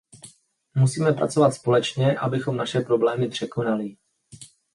Musíme pracovat společně, abychom naše problémy překonali.